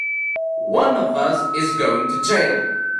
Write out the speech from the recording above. One of us is going to jail!